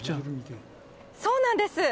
そうなんです。